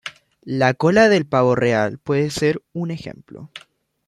La cola del pavo real puede ser un ejemplo.